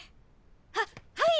はっはい！